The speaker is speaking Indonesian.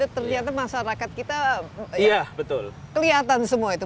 ternyata masyarakat kita kelihatan semua itu